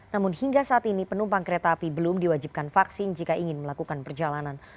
namun hingga saat ini penumpang kereta api belum diwajibkan vaksin jika ingin melakukan perjalanan